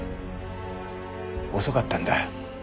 遅かったんだ。